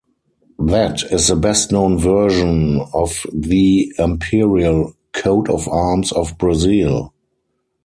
That is the best-known version of the imperial coat of arms of Brazil.